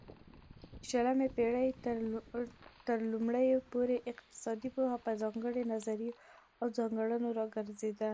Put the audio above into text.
د شلمې پيړۍ ترلومړيو پورې اقتصادي پوهه په ځانگړيو نظريو او څيړنو را څرخيده